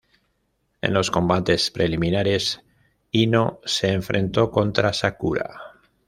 En los combates preliminares, Ino se enfrentó contra Sakura.